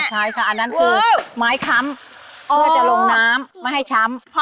ใช่ค่ะอันนั้นคือไม้ค้ำเพื่อจะลงน้ำไม่ให้ช้ำ